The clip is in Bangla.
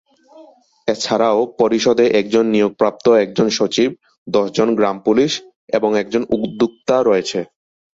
এছাড়াও পরিষদে একজন নিয়োগপ্রাপ্ত একজন সচিব, দশজন গ্রাম পুলিশ এবং একজন উদ্যোক্তা রয়েছে।